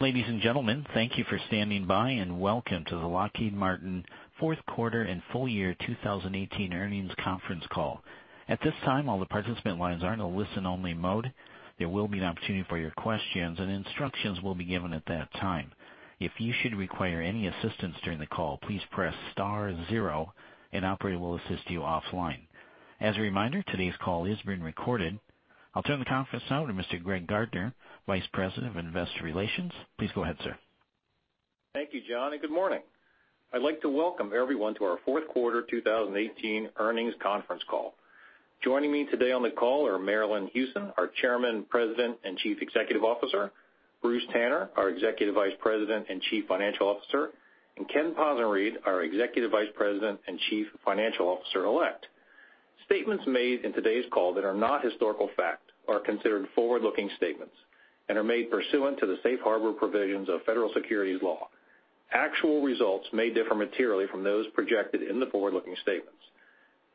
Ladies and gentlemen, thank you for standing by. Welcome to the Lockheed Martin Fourth Quarter and Full Year 2018 Earnings Conference Call. At this time, all the participant lines are in a listen-only mode. There will be an opportunity for your questions, and instructions will be given at that time. If you should require any assistance during the call, please press star zero, an operator will assist you offline. As a reminder, today's call is being recorded. I'll turn the conference now to Mr. Greg Gardner, Vice President of Investor Relations. Please go ahead, sir. Thank you, John. Good morning. I'd like to welcome everyone to our Fourth Quarter 2018 Earnings Conference Call. Joining me today on the call are Marillyn Hewson, our Chairman, President, and Chief Executive Officer, Bruce Tanner, our Executive Vice President and Chief Financial Officer, and Kenneth Possenriede, our Executive Vice President and Chief Financial Officer elect. Statements made in today's call that are not historical fact are considered forward-looking statements and are made pursuant to the safe harbor provisions of federal securities law. Actual results may differ materially from those projected in the forward-looking statements.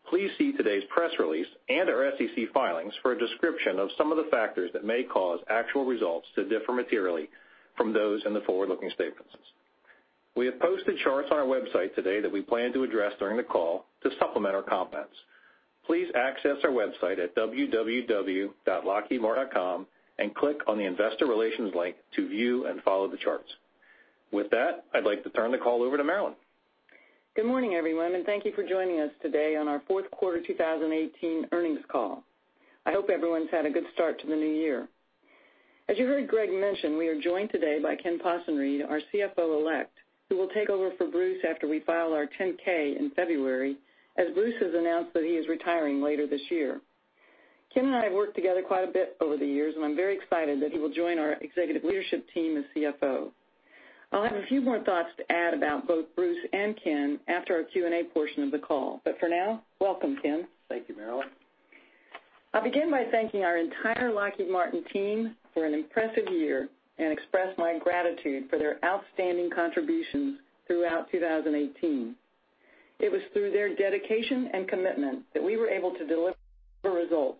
Please see today's press release and our SEC filings for a description of some of the factors that may cause actual results to differ materially from those in the forward-looking statements. We have posted charts on our website today that we plan to address during the call to supplement our comments. Please access our website at www.lockheedmartin.com and click on the Investor Relations link to view and follow the charts. With that, I'd like to turn the call over to Marillyn Hewson. Good morning, everyone. Thank you for joining us today on our Fourth Quarter 2018 Earnings Call. I hope everyone's had a good start to the new year. As you heard Greg mention, we are joined today by Bruce Tanner, our CFO elect, who will take over for Bruce Tanner after we file our 10-K in February, as Bruce Tanner has announced that he is retiring later this year. Kenneth Possenriede and I have worked together quite a bit over the years, and I'm very excited that he will join our executive leadership team as CFO. I'll have a few more thoughts to add about both Bruce Tanner and Kenneth Possenriede after our Q&A portion of the call. For now, welcome, Kenneth Possenriede. Thank you, Marillyn Hewson. I'll begin by thanking our entire Lockheed Martin team for an impressive year and express my gratitude for their outstanding contributions throughout 2018. It was through their dedication and commitment that we were able to deliver results,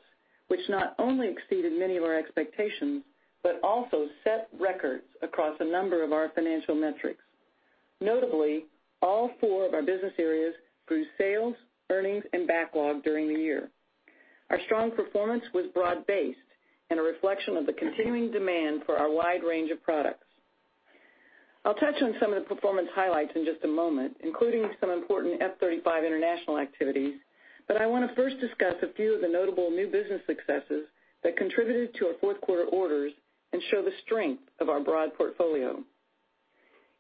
which not only exceeded many of our expectations, but also set records across a number of our financial metrics. Notably, all four of our business areas grew sales, earnings, and backlog during the year. Our strong performance was broad-based and a reflection of the continuing demand for our wide range of products. I'll touch on some of the performance highlights in just a moment, including some important F-35 international activities, but I want to first discuss a few of the notable new business successes that contributed to our fourth quarter orders and show the strength of our broad portfolio.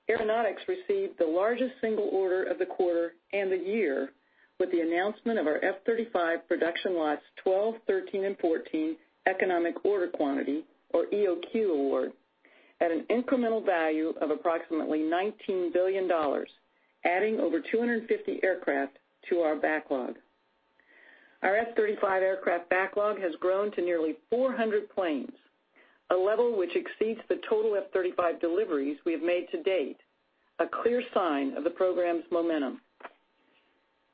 Aeronautics received the largest single order of the quarter and the year with the announcement of our F-35 production Lots 12, 13, and 14 Economic Order Quantity, or EOQ award, at an incremental value of approximately $19 billion, adding over 250 aircraft to our backlog. Our F-35 aircraft backlog has grown to nearly 400 planes, a level which exceeds the total F-35 deliveries we have made to date, a clear sign of the program's momentum.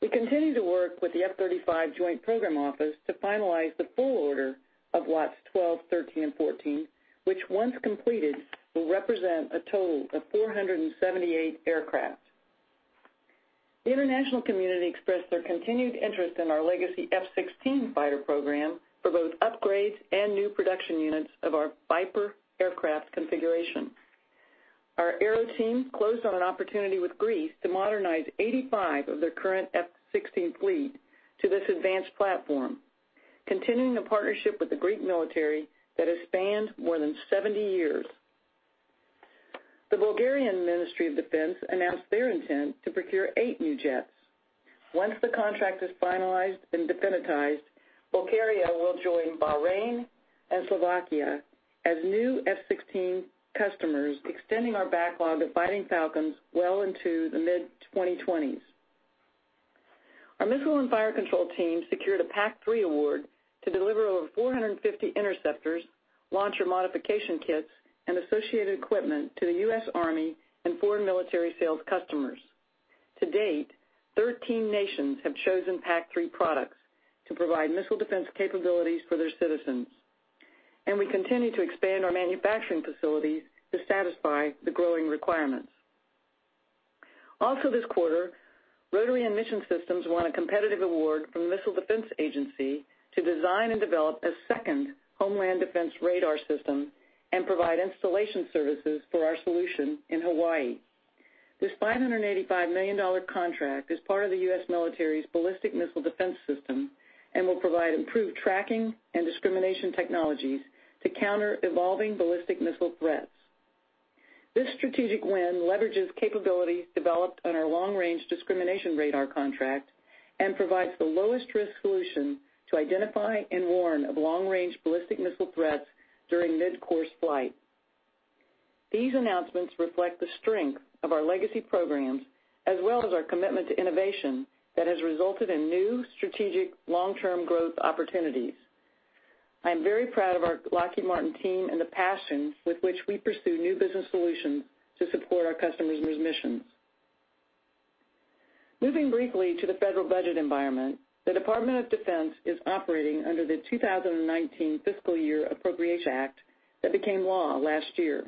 We continue to work with the F-35 Joint Program Office to finalize the full order of Lots 12, 13, and 14, which once completed, will represent a total of 478 aircraft. The international community expressed their continued interest in our legacy F-16 fighter program for both upgrades and new production units of our Viper aircraft configuration. Our Aero team closed on an opportunity with Greece to modernize 85 of their current F-16 fleet to this advanced platform, continuing a partnership with the Greek military that has spanned more than 70 years. The Bulgarian Ministry of Defence announced their intent to procure eight new jets. Once the contract is finalized and definitized, Bulgaria will join Bahrain and Slovakia as new F-16 customers, extending our backlog of Fighting Falcons well into the mid-2020s. Our missile and fire control team secured a PAC-3 award to deliver over 450 interceptors, launcher modification kits, and associated equipment to the U.S. Army and foreign military sales customers. To date, 13 nations have chosen PAC-3 products to provide missile defense capabilities for their citizens. We continue to expand our manufacturing facilities to satisfy the growing requirements. Also this quarter, Rotary and Mission Systems won a competitive award from the Missile Defense Agency to design and develop a second homeland defense radar system and provide installation services for our solution in Hawaii. This $585 million contract is part of the U.S. military's ballistic missile defense system and will provide improved tracking and discrimination technologies to counter evolving ballistic missile threats. This strategic win leverages capabilities developed on our Long Range Discrimination Radar contract and provides the lowest risk solution to identify and warn of long-range ballistic missile threats during mid-course flight. These announcements reflect the strength of our legacy programs, as well as our commitment to innovation that has resulted in new strategic long-term growth opportunities. I am very proud of our Lockheed Martin team and the passion with which we pursue new business solutions to support our customers' missions. Moving briefly to the federal budget environment, the Department of Defense is operating under the Department of Defense Appropriations Act, 2019 that became law last year.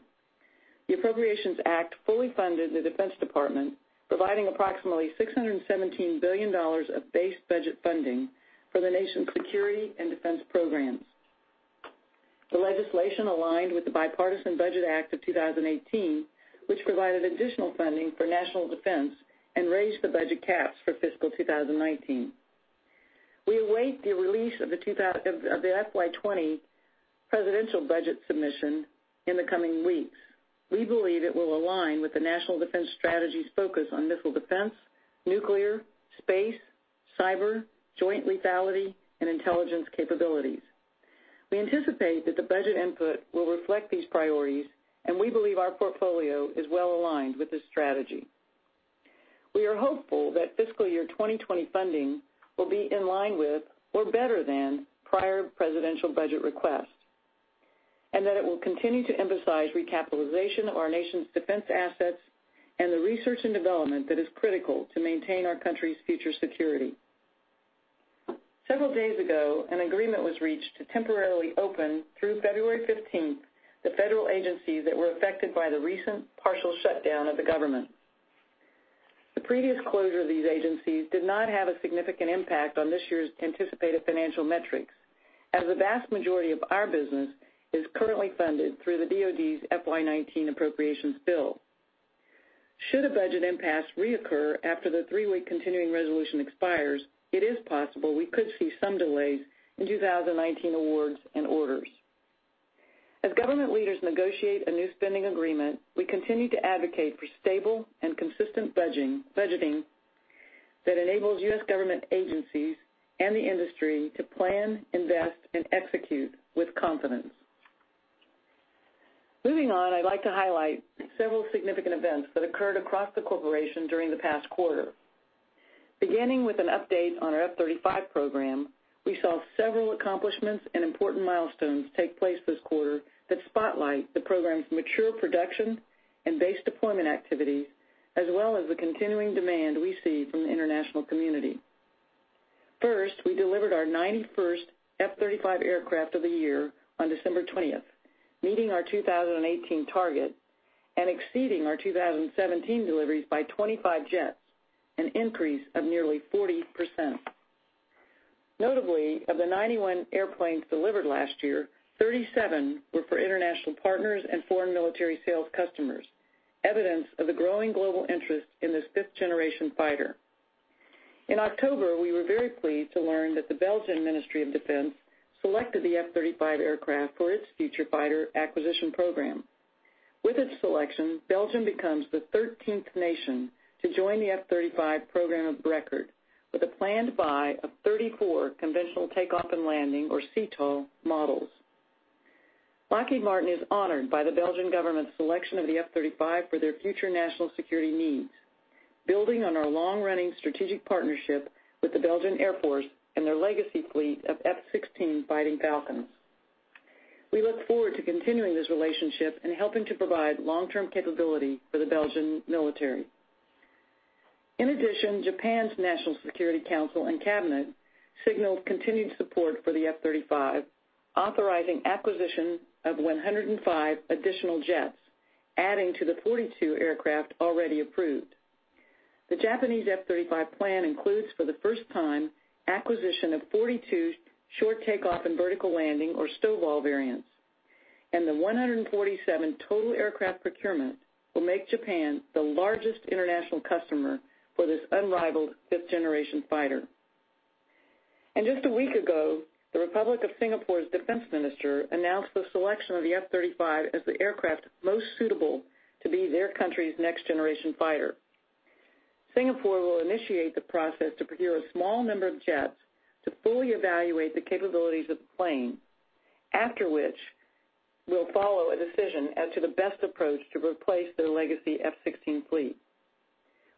The Appropriations Act fully funded the Defense Department, providing approximately $617 billion of base budget funding for the nation's security and defense programs. The legislation aligned with the Bipartisan Budget Act of 2018, which provided additional funding for national defense and raised the budget caps for fiscal 2019. We await the release of the FY 2020 presidential budget submission in the coming weeks. We believe it will align with the National Defense Strategy's focus on missile defense, nuclear, space, cyber, joint lethality, and intelligence capabilities. We anticipate that the budget input will reflect these priorities. We believe our portfolio is well-aligned with this strategy. We are hopeful that fiscal year 2020 funding will be in line with or better than prior presidential budget requests, and that it will continue to emphasize recapitalization of our nation's defense assets and the research and development that is critical to maintain our country's future security. Several days ago, an agreement was reached to temporarily open, through February 15th, the federal agencies that were affected by the recent partial shutdown of the government. The previous closure of these agencies did not have a significant impact on this year's anticipated financial metrics, as the vast majority of our business is currently funded through the DOD's FY 2019 appropriations bill. Should a budget impasse reoccur after the three-week continuing resolution expires, it is possible we could see some delays in 2019 awards and orders. As government leaders negotiate a new spending agreement, we continue to advocate for stable and consistent budgeting that enables U.S. government agencies and the industry to plan, invest, and execute with confidence. Moving on, I'd like to highlight several significant events that occurred across the corporation during the past quarter. Beginning with an update on our F-35 program, we saw several accomplishments and important milestones take place this quarter that spotlight the program's mature production and base deployment activities, as well as the continuing demand we see from the international community. First, we delivered our 91st F-35 aircraft of the year on December 20th, meeting our 2018 target and exceeding our 2017 deliveries by 25 jets, an increase of nearly 40%. Notably, of the 91 airplanes delivered last year, 37 were for international partners and foreign military sales customers, evidence of the growing global interest in this fifth-generation fighter. In October, we were very pleased to learn that the Belgian Ministry of Defence selected the F-35 aircraft for its future fighter acquisition program. With its selection, Belgium becomes the 13th nation to join the F-35 program of record with a planned buy of 34 conventional takeoff and landing, or CTOL, models. Lockheed Martin is honored by the Belgian government's selection of the F-35 for their future national security needs, building on our long-running strategic partnership with the Belgian Air Force and their legacy fleet of F-16 Fighting Falcons. We look forward to continuing this relationship and helping to provide long-term capability for the Belgian military. Japan's National Security Council and Cabinet signaled continued support for the F-35, authorizing acquisition of 105 additional jets, adding to the 42 aircraft already approved. The Japanese F-35 plan includes, for the first time, acquisition of 42 short takeoff and vertical landing, or STOVL, variants. The 147 total aircraft procurement will make Japan the largest international customer for this unrivaled fifth-generation fighter. Just a week ago, the Republic of Singapore's defense minister announced the selection of the F-35 as the aircraft most suitable to be their country's next-generation fighter. Singapore will initiate the process to procure a small number of jets to fully evaluate the capabilities of the plane, after which will follow a decision as to the best approach to replace their legacy F-16 fleet.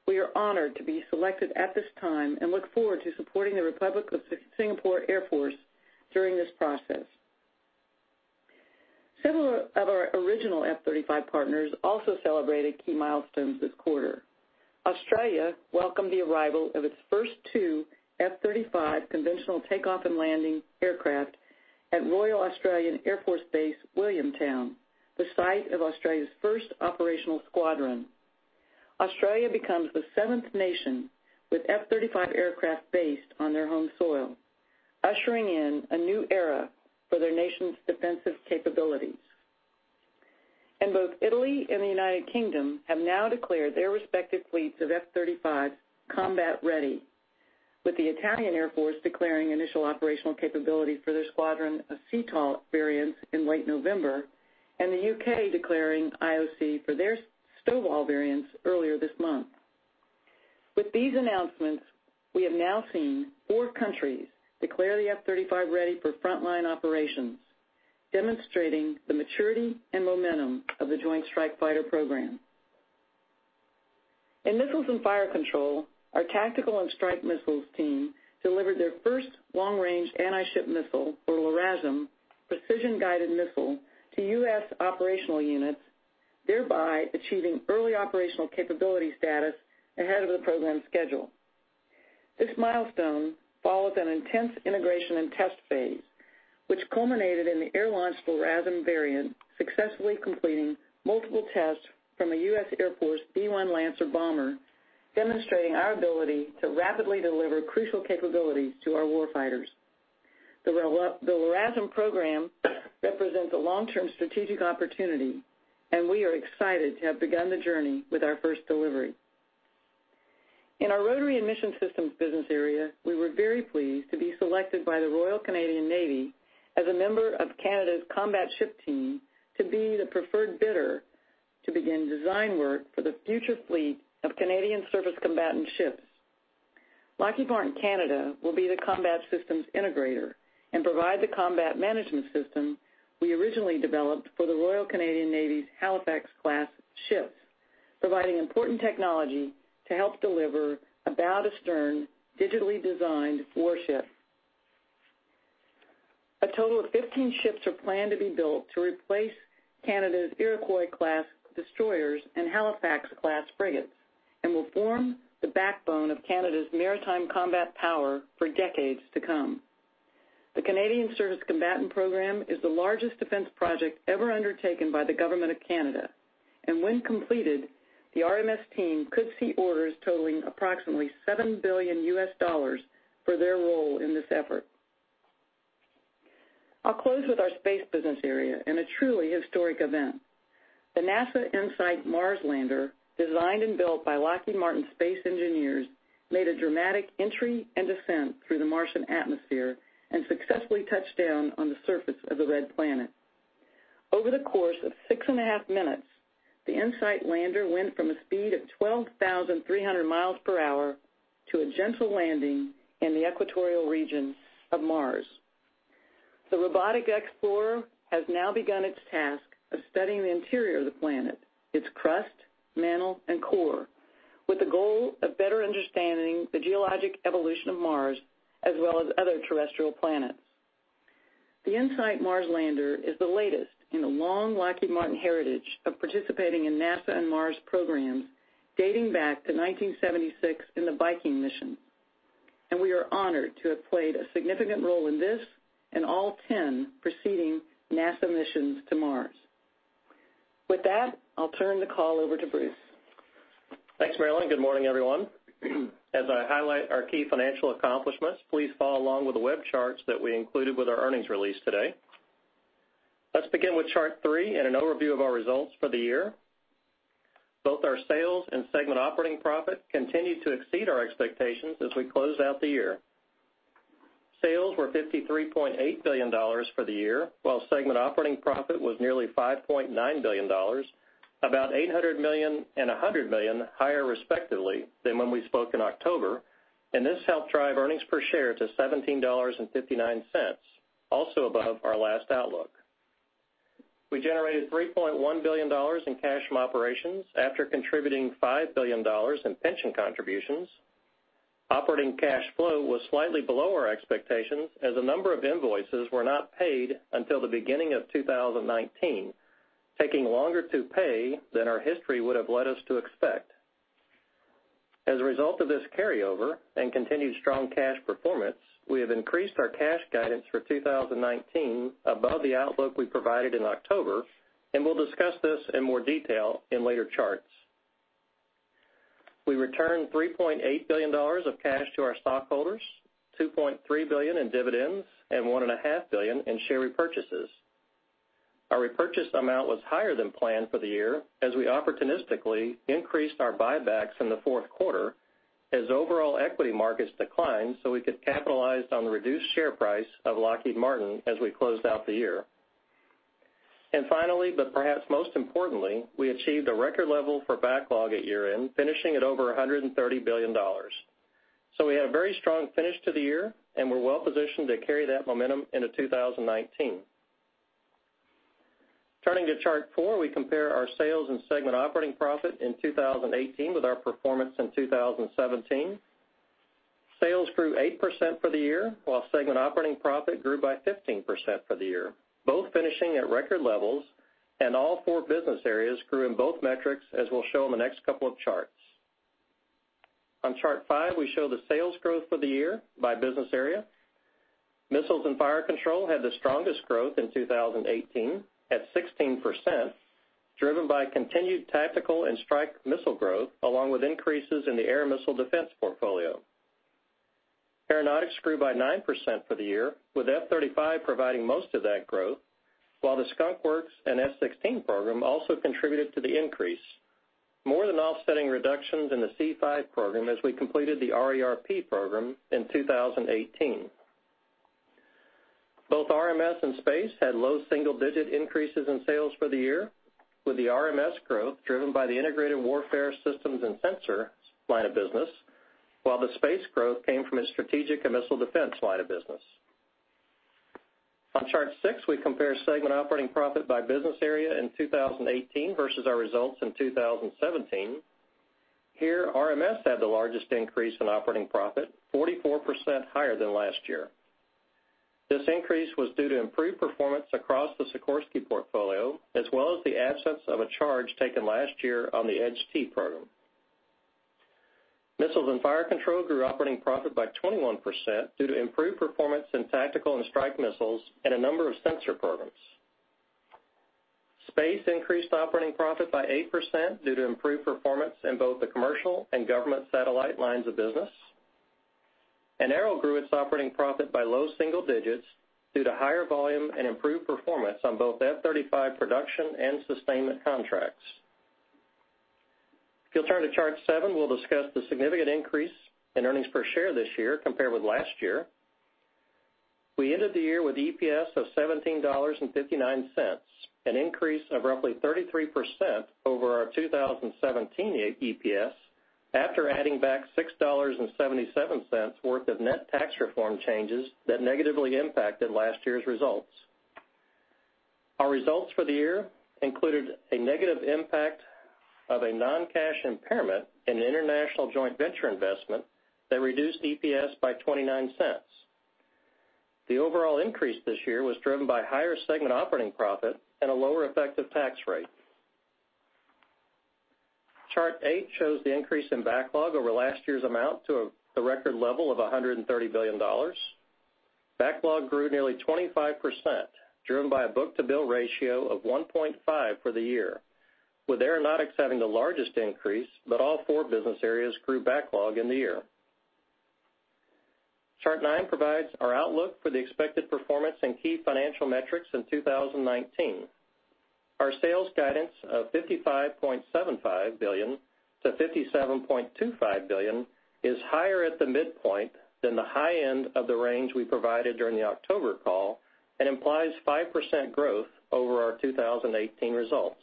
We are honored to be selected at this time and look forward to supporting the Republic of Singapore Air Force during this process. Several of our original F-35 partners also celebrated key milestones this quarter. Australia welcomed the arrival of its first two F-35 conventional takeoff and landing aircraft at Royal Australian Air Force Base Williamtown, the site of Australia's first operational squadron. Australia becomes the seventh nation with F-35 aircraft based on their home soil, ushering in a new era for their nation's defensive capabilities. Both Italy and the U.K. have now declared their respective fleets of F-35 combat ready, with the Italian Air Force declaring initial operational capability for their squadron of CTOL variants in late November, and the U.K. declaring IOC for their STOVL variants earlier this month. With these announcements, we have now seen four countries declare the F-35 ready for frontline operations, demonstrating the maturity and momentum of the Joint Strike Fighter program. In Missiles and Fire Control, our tactical and strike missiles team delivered their first Long Range Anti-Ship Missile, or LRASM, precision guided missile to U.S. operational units, thereby achieving early operational capability status ahead of the program schedule. This milestone follows an intense integration and test phase, which culminated in the air launch for LRASM variant, successfully completing multiple tests from a U.S. Air Force B-1 Lancer bomber, demonstrating our ability to rapidly deliver crucial capabilities to our warfighters. The LRASM program represents a long-term strategic opportunity, and we are excited to have begun the journey with our first delivery. In our Rotary and Mission Systems business area, we were very pleased to be selected by the Royal Canadian Navy as a member of Canada's combat ship team to be the preferred bidder to begin design work for the future fleet of Canadian service combatant ships. Lockheed Martin Canada will be the combat systems integrator and provide the combat management system we originally developed for the Royal Canadian Navy's Halifax-class ships, providing important technology to help deliver a bow to stern, digitally designed warship. A total of 15 ships are planned to be built to replace Canada's Iroquois-class destroyers and Halifax-class frigates, will form the backbone of Canada's maritime combat power for decades to come. The Canadian Surface Combatant Program is the largest defense project ever undertaken by the Government of Canada. When completed, the RMS team could see orders totaling approximately $7 billion for their role in this effort. I'll close with our Space business area and a truly historic event. The NASA InSight Mars lander, designed and built by Lockheed Martin space engineers, made a dramatic entry and descent through the Martian atmosphere and successfully touched down on the surface of the Red Planet. Over the course of six and a half minutes, the InSight lander went from a speed of 12,300 miles per hour to a gentle landing in the equatorial region of Mars. The robotic explorer has now begun its task of studying the interior of the planet, its crust, mantle, and core, with the goal of better understanding the geologic evolution of Mars, as well as other terrestrial planets. The InSight Mars lander is the latest in a long Lockheed Martin heritage of participating in NASA and Mars programs, dating back to 1976 in the Viking mission. We are honored to have played a significant role in this and all 10 preceding NASA missions to Mars. With that, I'll turn the call over to Bruce Tanner. Thanks, Marillyn Hewson. Good morning, everyone. As I highlight our key financial accomplishments, please follow along with the web charts that we included with our earnings release today. Let's begin with Chart three and an overview of our results for the year. Both our sales and segment operating profit continued to exceed our expectations as we closed out the year. Sales were $53.8 billion for the year, while segment operating profit was nearly $5.9 billion, about $800 million and $100 million higher, respectively, than when we spoke in October. This helped drive earnings per share to $17.59, also above our last outlook. We generated $3.1 billion in cash from operations after contributing $5 billion in pension contributions. Operating cash flow was slightly below our expectations, as a number of invoices were not paid until the beginning of 2019, taking longer to pay than our history would have led us to expect. As a result of this carryover and continued strong cash performance, we have increased our cash guidance for 2019 above the outlook we provided in October, and we'll discuss this in more detail in later charts. We returned $3.8 billion of cash to our stockholders, $2.3 billion in dividends, and $1.5 billion in share repurchases. Our repurchase amount was higher than planned for the year as we opportunistically increased our buybacks in the fourth quarter as overall equity markets declined, we could capitalize on the reduced share price of Lockheed Martin as we closed out the year. Finally, perhaps most importantly, we achieved a record level for backlog at year-end, finishing at over $130 billion. We had a very strong finish to the year, and we're well-positioned to carry that momentum into 2019. Turning to Chart 4, we compare our sales and segment operating profit in 2018 with our performance in 2017. Sales grew 8% for the year, while segment operating profit grew by 15% for the year, both finishing at record levels, and all four business areas grew in both metrics, as we'll show in the next couple of charts. On Chart 5, we show the sales growth for the year by business area. Missiles and Fire Control had the strongest growth in 2018 at 16%, driven by continued tactical and strike missile growth, along with increases in the air missile defense portfolio. Aeronautics grew by 9% for the year, with F-35 providing most of that growth, while the Skunk Works and F-16 program also contributed to the increase, more than offsetting reductions in the C-5 program as we completed the RERP program in 2018. Both RMS and Space had low single-digit increases in sales for the year, with the RMS growth driven by the Integrated Warfare Systems and Sensors line of business, while the Space growth came from a strategic and missile defense line of business. On Chart 6, we compare segment operating profit by business area in 2018 versus our results in 2017. Here, RMS had the largest increase in operating profit, 44% higher than last year. This increase was due to improved performance across the Sikorsky portfolio, as well as the absence of a charge taken last year on the Edge T program. Missiles and Fire Control grew operating profit by 21%, due to improved performance in tactical and strike missiles and a number of sensor programs. Space increased operating profit by 8%, due to improved performance in both the commercial and government satellite lines of business. Aero grew its operating profit by low single digits due to higher volume and improved performance on both F-35 production and sustainment contracts. If you'll turn to chart seven, we'll discuss the significant increase in earnings per share this year compared with last year. We ended the year with EPS of $17.59, an increase of roughly 33% over our 2017 EPS after adding back $6.77 worth of net tax reform changes that negatively impacted last year's results. Our results for the year included a negative impact of a non-cash impairment in an international joint venture investment that reduced EPS by $0.29. The overall increase this year was driven by higher segment operating profit and a lower effective tax rate. Chart eight shows the increase in backlog over last year's amount to a record level of $130 billion. Backlog grew nearly 25%, driven by a book-to-bill ratio of 1.5 for the year, with Aeronautics having the largest increase, but all four business areas grew backlog in the year. Chart nine provides our outlook for the expected performance and key financial metrics in 2019. Our sales guidance of $55.75 billion-$57.25 billion is higher at the midpoint than the high end of the range we provided during the October call and implies 5% growth over our 2018 results.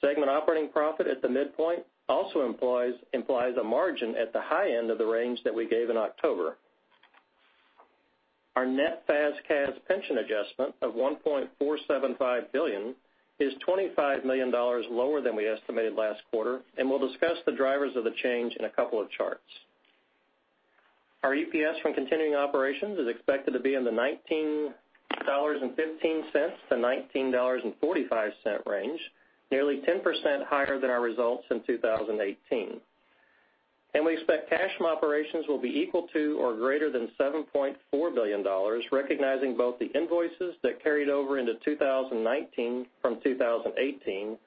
Segment operating profit at the midpoint also implies a margin at the high end of the range that we gave in October. Our net FAS/CAS pension adjustment of $1.475 billion is $25 million lower than we estimated last quarter. We'll discuss the drivers of the change in a couple of charts. Our EPS from continuing operations is expected to be in the $19.15-$19.45 range, nearly 10% higher than our results in 2018. We expect cash from operations will be equal to or greater than $7.4 billion, recognizing both the invoices that carried over into 2019 from 2018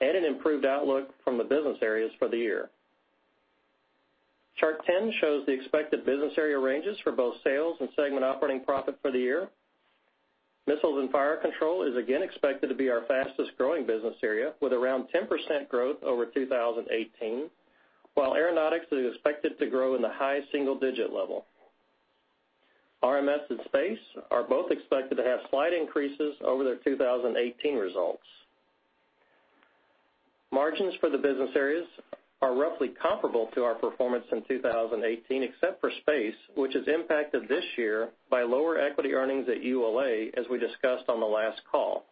and an improved outlook from the business areas for the year. Chart 10 shows the expected business area ranges for both sales and segment operating profit for the year. Missiles & Fire Control is again expected to be our fastest-growing business area, with around 10% growth over 2018, while Aeronautics is expected to grow in the high single-digit level. RMS and Space are both expected to have slight increases over their 2018 results. Margins for the business areas are roughly comparable to our performance in 2018, except for Space, which is impacted this year by lower equity earnings at ULA, as we discussed on the last call.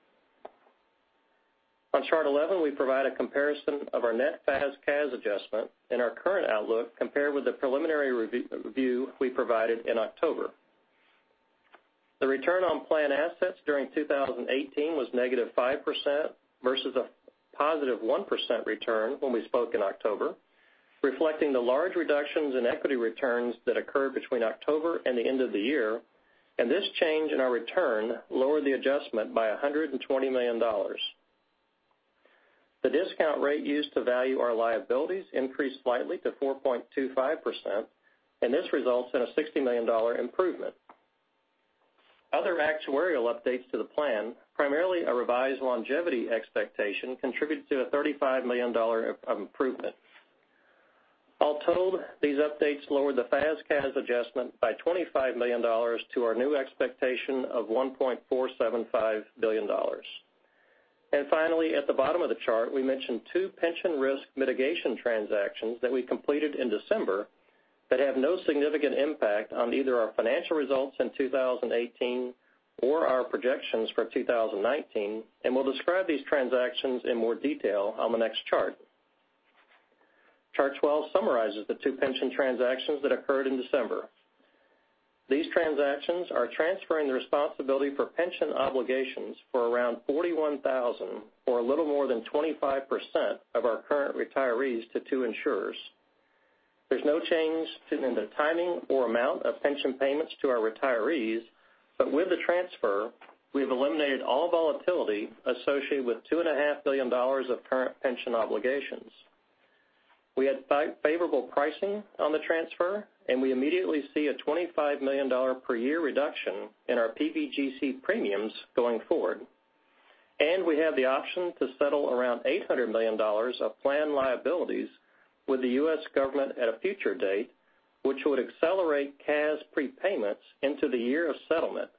On Chart 11, we provide a comparison of our net FAS/CAS adjustment and our current outlook compared with the preliminary review we provided in October. The return on plan assets during 2018 was -5% versus a +1% return when we spoke in October, reflecting the large reductions in equity returns that occurred between October and the end of the year. This change in our return lowered the adjustment by $120 million. The discount rate used to value our liabilities increased slightly to 4.25%. This results in a $60 million improvement. Other actuarial updates to the plan, primarily a revised longevity expectation, contributed to a $35 million improvement. All told, these updates lowered the FAS/CAS adjustment by $25 million to our new expectation of $1.475 billion. Finally, at the bottom of the chart, we mention two pension risk mitigation transactions that we completed in December that have no significant impact on either our financial results in 2018 or our projections for 2019. We'll describe these transactions in more detail on the next chart. Chart 12 summarizes the two pension transactions that occurred in December. These transactions are transferring the responsibility for pension obligations for around 41,000 or a little more than 25% of our current retirees to two insurers. There's no change in the timing or amount of pension payments to our retirees. With the transfer, we've eliminated all volatility associated with $2.5 billion of current pension obligations. We had favorable pricing on the transfer, we immediately see a $25 million per year reduction in our PBGC premiums going forward. We have the option to settle around $800 million of plan liabilities with the U.S. government at a future date, which would accelerate CAS prepayments into the year of settlement,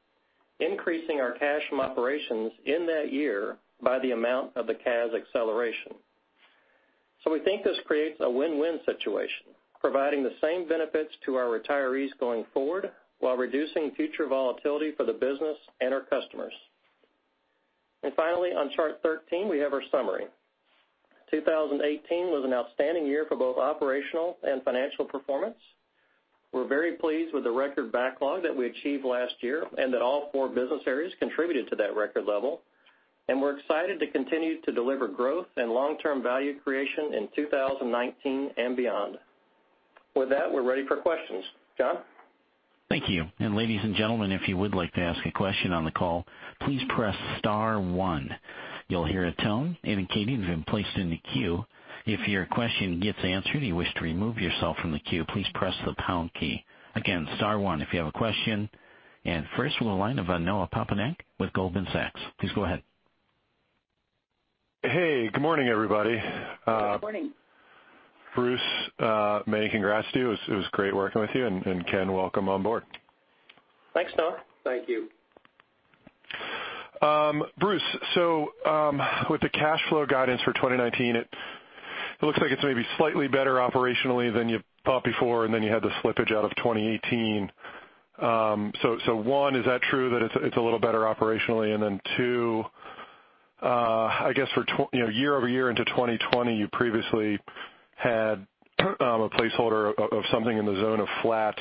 increasing our cash from operations in that year by the amount of the CAS acceleration. We think this creates a win-win situation, providing the same benefits to our retirees going forward while reducing future volatility for the business and our customers. Finally, on chart 13, we have our summary. 2018 was an outstanding year for both operational and financial performance. We're very pleased with the record backlog that we achieved last year, and that all four business areas contributed to that record level. We're excited to continue to deliver growth and long-term value creation in 2019 and beyond. With that, we're ready for questions. John? Thank you. Ladies and gentlemen, if you would like to ask a question on the call, please press star one. You'll hear a tone indicating you've been placed in the queue. If your question gets answered and you wish to remove yourself from the queue, please press the pound key. Again, star one if you have a question. First we'll line of Noah Poponak with Goldman Sachs. Please go ahead. Hey, good morning, everybody. Good morning. Bruce Tanner, many congrats to you. It was great working with you. Kenneth Possenriede, welcome on board. Thanks, Noah Poponak. Thank you. Bruce Tanner, with the cash flow guidance for 2019, it looks like it's maybe slightly better operationally than you thought before, then you had the slippage out of 2018. One, is that true that it's a little better operationally? Two, I guess for year-over-year into 2020, you previously had a placeholder of something in the zone of flat.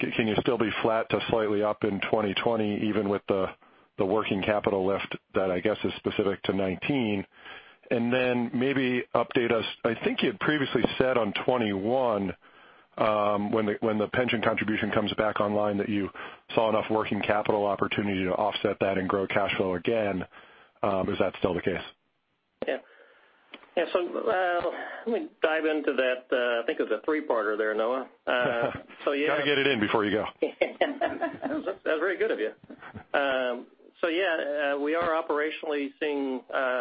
Can you still be flat to slightly up in 2020 even with the working capital lift that I guess is specific to 2019? Maybe update us. I think you had previously said on 2021, when the pension contribution comes back online, that you saw enough working capital opportunity to offset that and grow cash flow again. Is that still the case? Yeah. Let me dive into that. I think it was a three-parter there, Noah Poponak. Got to get it in before you go. That was very good of you. Yeah, we are operationally seeing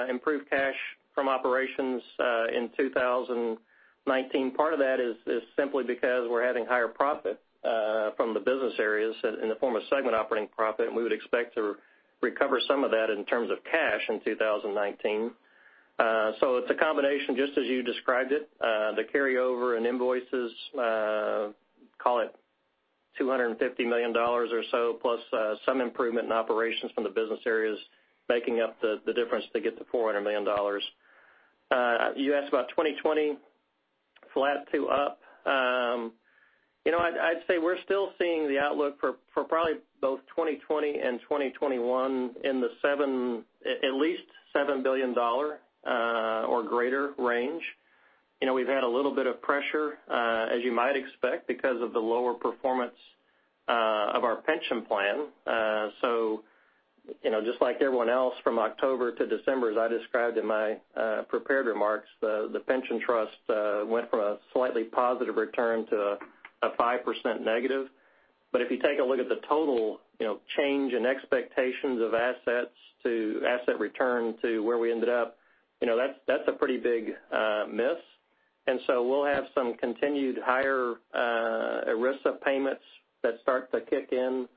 improved cash from operations in 2019. Part of that is simply because we're having higher profit from the business areas in the form of segment operating profit, and we would expect to recover some of that in terms of cash in 2019. It's a combination, just as you described it. The carryover in invoices, call it $250 million or so, plus some improvement in operations from the business areas making up the difference to get to $400 million. You asked about 2020, flat to up. I'd say we're still seeing the outlook for probably both 2020 and 2021 in the at least $7 billion or greater range. We've had a little bit of pressure, as you might expect, because of the lower performance of our pension plan. Just like everyone else from October to December, as I described in my prepared remarks, the pension trust went from a slightly positive return to a 5% negative. If you take a look at the total change in expectations of assets to asset return to where we ended up, that's a pretty big miss. We'll have some continued higher ERISA payments that start to kick in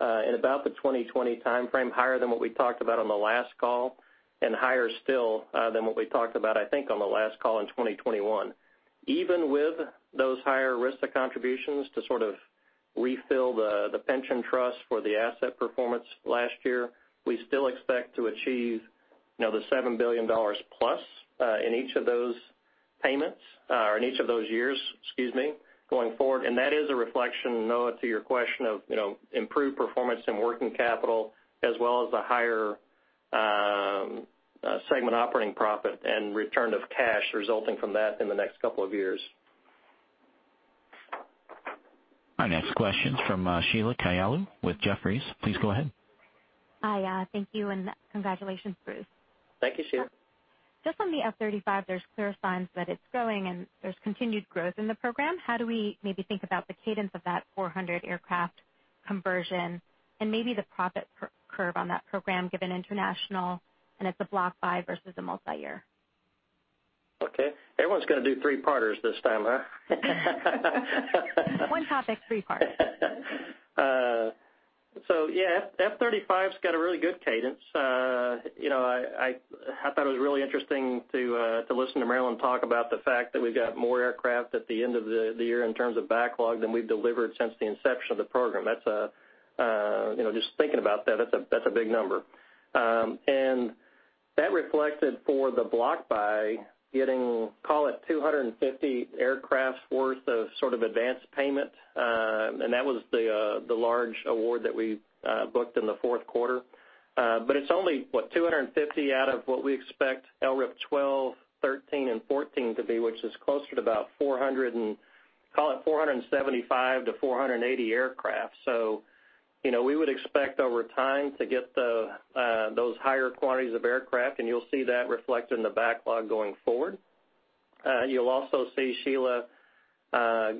about the 2020 timeframe, higher than what we talked about on the last call, and higher still than what we talked about, I think, on the last call in 2021. Even with those higher ERISA contributions to sort of refill the pension trust for the asset performance last year, we still expect to achieve the $7 billion+ in each of those payments, or in each of those years, excuse me, going forward. That is a reflection, Noah Poponak, to your question of improved performance in working capital as well as the higher segment operating profit and return of cash resulting from that in the next couple of years. Our next question's from Sheila Kahyaoglu with Jefferies. Please go ahead. Hi, thank you, congratulations, Bruce Tanner. Thank you, Sheila Kahyaoglu. Just on the F-35, there's clear signs that it's growing and there's continued growth in the program. How do we maybe think about the cadence of that 400 aircraft conversion and maybe the profit curve on that program given international, and it's a block buy versus a multi-year? Okay. Everyone's going to do three-parters this time, huh? One topic, three parts. F-35's got a really good cadence. I thought it was really interesting to listen to Marillyn Hewson talk about the fact that we've got more aircraft at the end of the year in terms of backlog than we've delivered since the inception of the program. Just thinking about that's a big number. That reflected for the block buy getting, call it 250 aircraft worth of sort of advanced payment. That was the large award that we booked in the fourth quarter. It's only, what, 250 out of what we expect LRIP 12, 13, and 14 to be, which is closer to about 400 and, call it 475 to 480 aircraft. We would expect over time to get those higher quantities of aircraft, and you'll see that reflected in the backlog going forward. You'll also see, Sheila Kahyaoglu,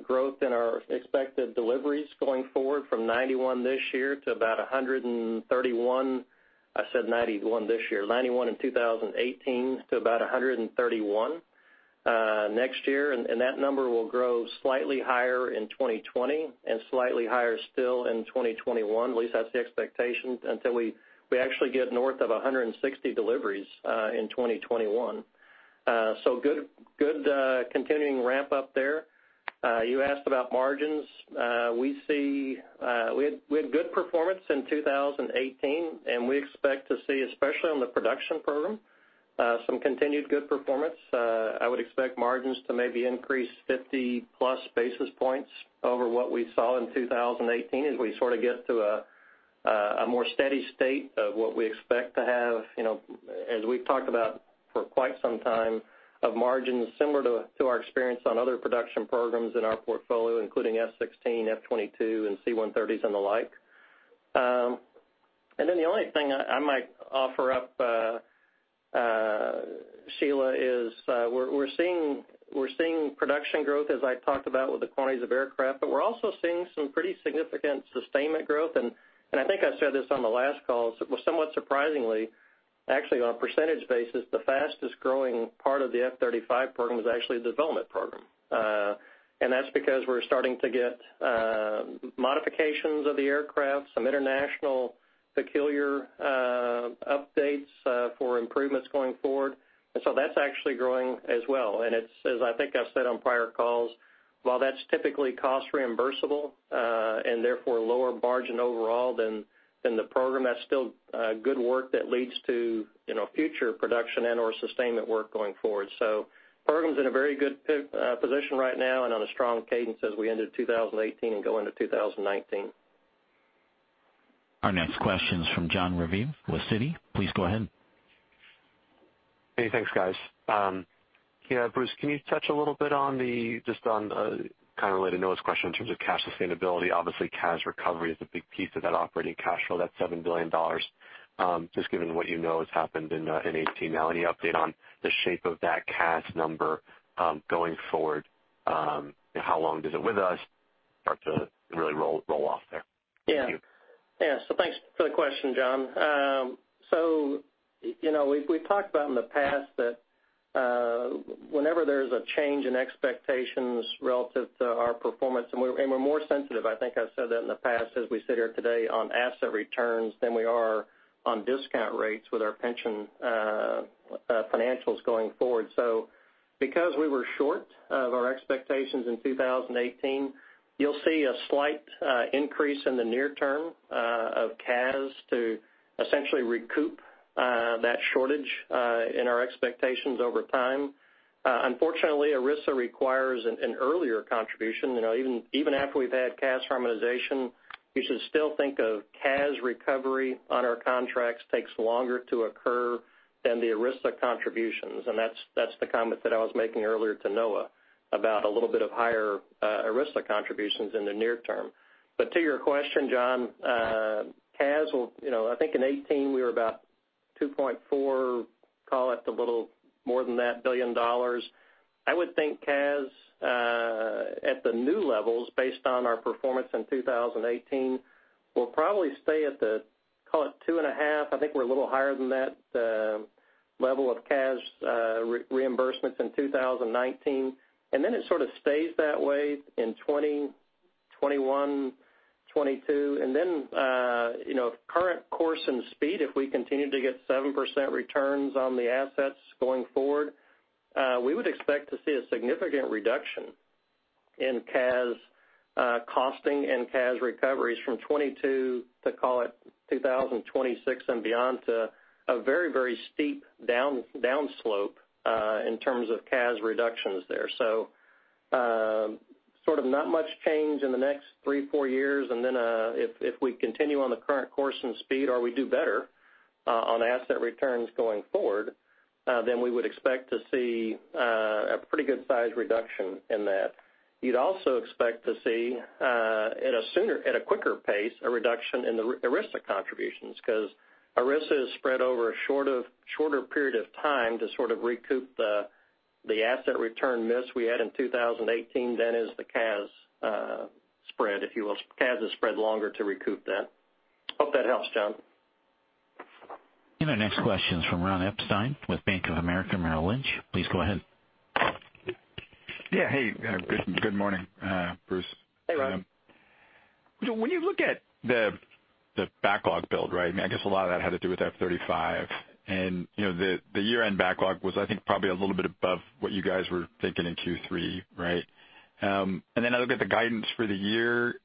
growth in our expected deliveries going forward from 91 this year to about 131. I said 91 this year. 91 in 2018 to about 131 next year. That number will grow slightly higher in 2020 and slightly higher still in 2021, at least that's the expectation, until we actually get north of 160 deliveries in 2021. Good continuing ramp-up there. You asked about margins. We had good performance in 2018, we expect to see, especially on the production program, some continued good performance. I would expect margins to maybe increase 50-plus basis points over what we saw in 2018 as we sort of get to a more steady state of what we expect to have, as we've talked about for quite some time, of margins similar to our experience on other production programs in our portfolio, including F-16, F-22 and C-130s and the like. The only thing I might offer up, Sheila Kahyaoglu, is we're seeing production growth, as I talked about with the quantities of aircraft, we're also seeing some pretty significant sustainment growth. I think I said this on the last call, somewhat surprisingly, actually, on a percentage basis, the fastest growing part of the F-35 program is actually the development program. That's because we're starting to get modifications of the aircraft, some international peculiar updates for improvements going forward. That's actually growing as well. As I think I've said on prior calls, while that's typically cost reimbursable, therefore lower margin overall than the program, that's still good work that leads to future production and/or sustainment work going forward. The program's in a very good position right now and on a strong cadence as we ended 2018 and go into 2019. Our next question's from Jon Raviv with Citi. Please go ahead. Hey, thanks, guys. Bruce Tanner, can you touch a little bit just on kind of related Noah Poponak's question in terms of cash sustainability? Obviously, CAS recovery is a big piece of that operating cash flow, that $7 billion. Just given what you know has happened in 2018 now, any update on the shape of that CAS number going forward? How long does it with us start to really roll off there? Thank you. Yeah. Thanks for the question, Jon Raviv. We've talked about in the past that whenever there's a change in expectations relative to our performance, and we're more sensitive, I think I've said that in the past, as we sit here today on asset returns than we are on discount rates with our pension financials going forward. Because we were short of our expectations in 2018, you'll see a slight increase in the near term of CAS to essentially recoup that shortage in our expectations over time. Unfortunately, ERISA requires an earlier contribution. Even after we've had CAS harmonization, you should still think of CAS recovery on our contracts takes longer to occur than the ERISA contributions. That's the comment that I was making earlier to Noah Poponak about a little bit of higher ERISA contributions in the near term. To your question, Jon Raviv, I think in 2018, we were about $2.4 billion, call it a little more than that. I would think CAS at the new levels based on our performance in 2018, will probably stay at the, call it $2.5 billion. I think we're a little higher than that level of CAS reimbursements in 2019. Then it sort of stays that way in 2020, 2021, 2022. Then, current course and speed, if we continue to get 7% returns on the assets going forward, we would expect to see a significant reduction in CAS costing and CAS recoveries from 2022 to, call it 2026 and beyond to a very steep down slope in terms of CAS reductions there. Sort of not much change in the next three, four years, if we continue on the current course and speed or we do better on asset returns going forward, we would expect to see a pretty good size reduction in that. You'd also expect to see at a quicker pace, a reduction in the ERISA contributions, because ERISA is spread over a shorter period of time to sort of recoup the asset return miss we had in 2018 than is the CAS spread, if you will. CAS is spread longer to recoup that. Hope that helps, Jon Raviv. Our next question's from Ronald Epstein with Bank of America Merrill Lynch. Please go ahead. Yeah. Hey, good morning, Bruce Tanner. Hey, Ronald Epstein. When you look at the backlog build, right? I guess a lot of that had to do with F-35. The year-end backlog was, I think, probably a little bit above what you guys were thinking in Q3, right? I look at the guidance for the year.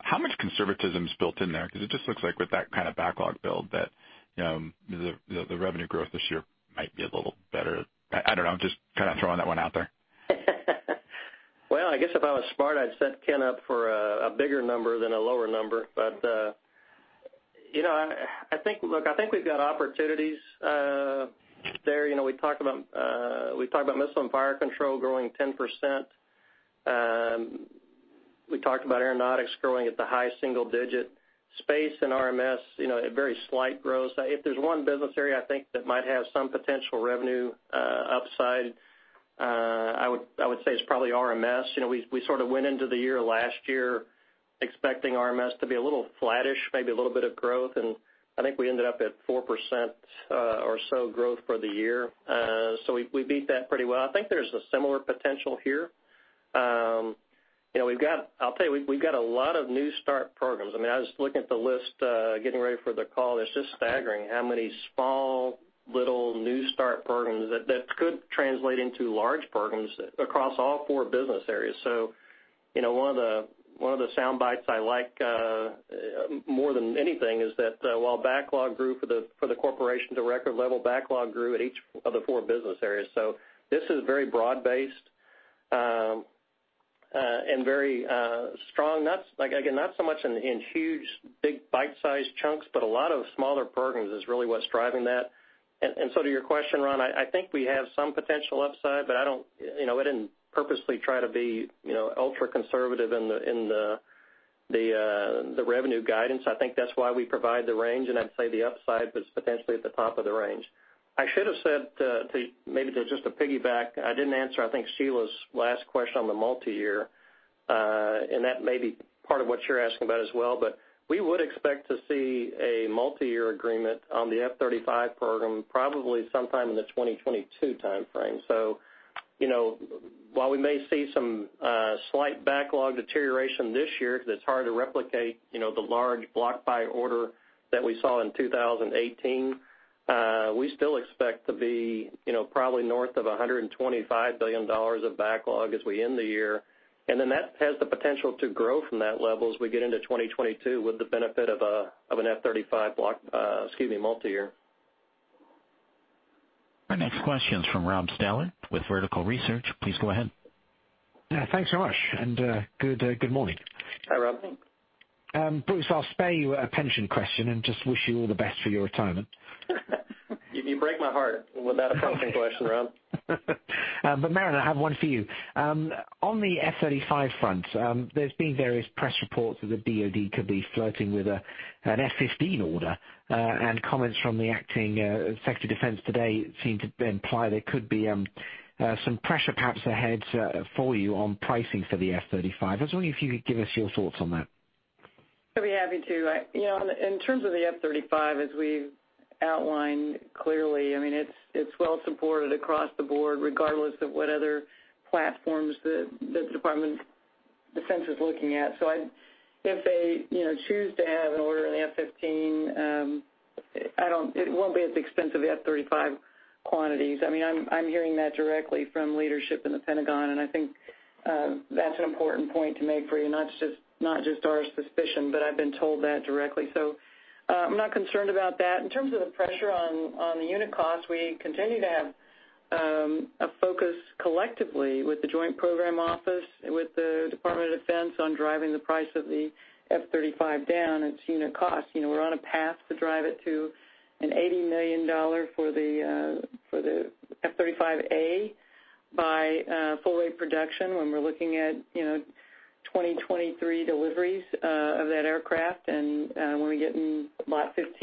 How much conservatism is built in there? Because it just looks like with that kind of backlog build that the revenue growth this year might be a little better. I don't know. I'm just kind of throwing that one out there. Well, I guess if I was smart, I'd set Kenneth Possenriede up for a bigger number than a lower number. Look, I think we've got opportunities there. We talked about Missile & Fire Control growing 10%. We talked about Aeronautics growing at the high single digit. Space and RMS, a very slight growth. If there's one business area I think that might have some potential revenue upside, I would say it's probably RMS. We sort of went into the year last year expecting RMS to be a little flattish, maybe a little bit of growth, and I think we ended up at 4% or so growth for the year. We beat that pretty well. I think there's a similar potential here. I'll tell you, we've got a lot of new start programs. I was looking at the list, getting ready for the call. It's just staggering how many small, little new start programs that could translate into large programs across all four business areas. One of the soundbites I like, more than anything, is that while backlog grew for the corporation to record level, backlog grew at each of the four business areas. This is very broad-based, and very strong. Again, not so much in huge, big bite-sized chunks, but a lot of smaller programs is really what's driving that. To your question, Ronald Epstein, I think we have some potential upside, but I didn't purposely try to be ultra-conservative in the revenue guidance. I think that's why we provide the range, and I'd say the upside was potentially at the top of the range. I should have said to, maybe to just to piggyback, I didn't answer, I think, Sheila Kahyaoglu's last question on the multi-year, and that may be part of what you're asking about as well. We would expect to see a multi-year agreement on the F-35 program probably sometime in the 2022 timeframe. While we may see some slight backlog deterioration this year, because it's hard to replicate the large block buy order that we saw in 2018, we still expect to be probably north of $125 billion of backlog as we end the year. That has the potential to grow from that level as we get into 2022 with the benefit of an F-35 block, excuse me, multi-year. Our next question is from Rob Stallard with Vertical Research. Please go ahead. Yeah, thanks so much, and good morning. Hi, Rob Stallard. Bruce Tanner, I'll spare you a pension question and just wish you all the best for your retirement. You break my heart with that approaching question, Rob Stallard. Marillyn Hewson, I have one for you. On the F-35 front, there's been various press reports that the DOD could be flirting with an F-15 order. Comments from the acting Secretary of Defense today seem to imply there could be some pressure perhaps ahead for you on pricing for the F-35. I was wondering if you could give us your thoughts on that. I'd be happy to. In terms of the F-35, as we've outlined clearly, it's well-supported across the board, regardless of what other platforms that the Department of Defense is looking at. If they choose to have an order in the F-15, it won't be at the expense of the F-35 quantities. I'm hearing that directly from leadership in the Pentagon, I think that's an important point to make for you. Not just our suspicion, but I've been told that directly. I'm not concerned about that. In terms of the pressure on the unit cost, we continue to have a focus collectively with the Joint Program Office, with the Department of Defense on driving the price of the F-35 down its unit cost. We're on a path to drive it to an $80 million for the F-35A by full rate production when we're looking at 2023 deliveries of that aircraft when we get lot 15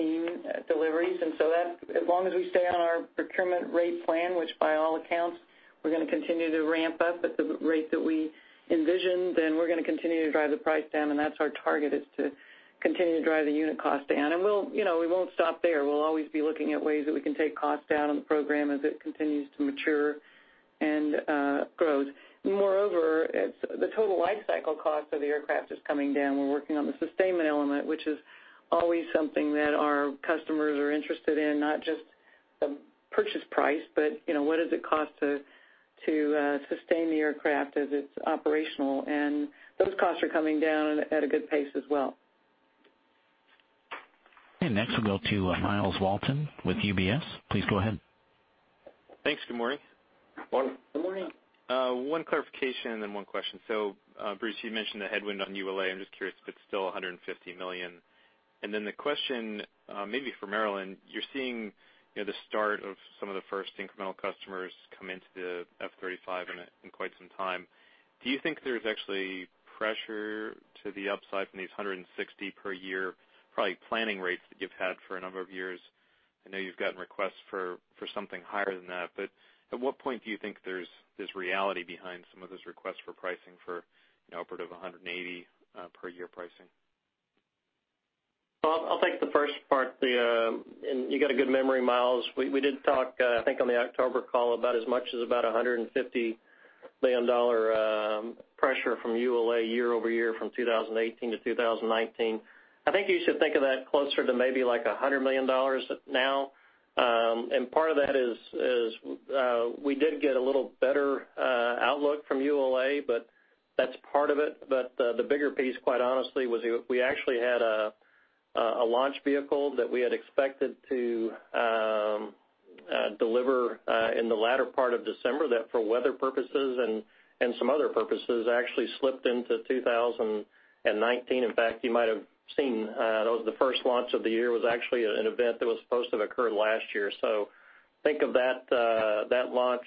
deliveries. That, as long as we stay on our procurement rate plan, which by all accounts we're going to continue to ramp up at the rate that we envisioned, then we're going to continue to drive the price down, that's our target, is to continue to drive the unit cost down. We won't stop there. We'll always be looking at ways that we can take costs down on the program as it continues to mature and grows. Moreover, the total life cycle cost of the aircraft is coming down. We're working on the sustainment element, which is always something that our customers are interested in, not just the purchase price, but what does it cost to sustain the aircraft as it's operational. Those costs are coming down at a good pace as well. Next we'll go to Myles Walton with UBS. Please go ahead. Thanks. Good morning. Morning. Good morning. One clarification and then one question. Bruce Tanner, you mentioned the headwind on ULA. I'm just curious if it's still $150 million. The question, maybe for Marillyn Hewson, you're seeing the start of some of the first incremental customers come into the F-35 in quite some time. Do you think there's actually pressure to the upside from these 160 per year, probably planning rates that you've had for a number of years? I know you've gotten requests for something higher than that, but at what point do you think there's this reality behind some of those requests for pricing for upward of 180 per year pricing? Well, I'll take the first part. You got a good memory, Myles Walton. We did talk, I think on the October call, about as much as about $150 million pressure from ULA year-over-year from 2018 to 2019. I think you should think of that closer to maybe like $100 million now. Part of that is, we did get a little better outlook from ULA, but that's part of it. The bigger piece, quite honestly, was we actually had a launch vehicle that we had expected to deliver in the latter part of December that for weather purposes and some other purposes actually slipped into 2019. In fact, you might have seen, the first launch of the year was actually an event that was supposed to have occurred last year. Think of that launch